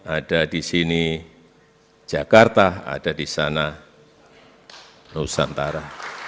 ada di sini jakarta ada di sana nusantara